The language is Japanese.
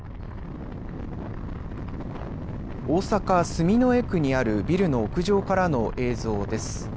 大阪住之江区にあるビルの屋上からの映像です。